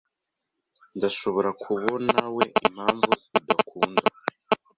Ndashobora kubonawe impamvu udakunda .